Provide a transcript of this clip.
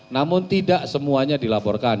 namun tidak semuanya dilaporkan